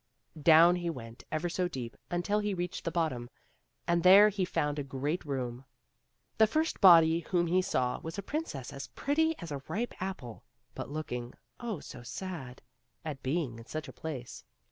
Down he went ever so deep until he reached the bottom, and there he found a great room. The first body whom he saw was a princess as pretty as a ripe apple, but looking, oh, so sad ! at being in such a place.